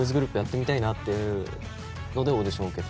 っていうのでオーディションを受けた。